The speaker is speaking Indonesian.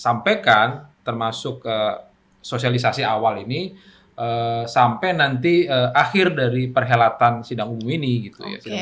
sampaikan termasuk sosialisasi awal ini sampai nanti akhir dari perhelatan sidang umum ini gitu ya